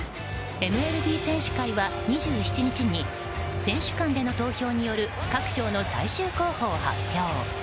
ＭＬＢ選手会は２７日に選手間の投票による各賞の最終候補を発表。